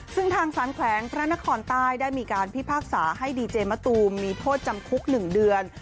ซึ่งทางสารแขวงพระนครใต้ได้มีการพิพากษาให้ดีเจมะตูมมีโทษจำคุก๑เดือน